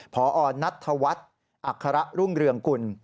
พอนัทธวัฒน์อัคระรุ่งเรืองกุล